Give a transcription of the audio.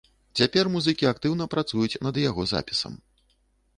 Цяпер музыкі актыўна працуюць над яго запісам.